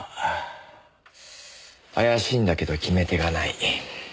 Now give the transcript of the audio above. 怪しいんだけど決め手がない。